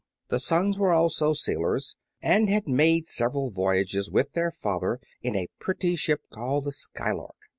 The sons were also sailors, and had made several voyages with their father in a pretty ship called the "Skylark."